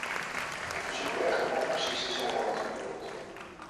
Ik verzoek u echter mij precies te zeggen wat u bedoelt.